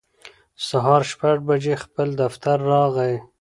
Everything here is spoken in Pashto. سهار شپږ بجې خپل دفتر راغی